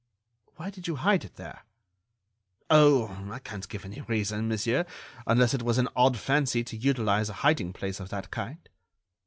"Why did you hide it there?" "Oh! I can't give any reason, monsieur, unless it was an odd fancy to utilize a hiding place of that kind."